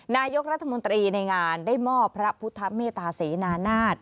นายกรัฐมนตรีในงานได้มอบพระพุทธเมตตาเสนานาศ